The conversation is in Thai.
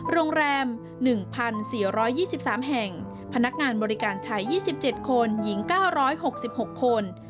โรงแรม๑๔๒๓แห่งพนักงานบริการชาย๒๗คนหญิง๙๖๖คน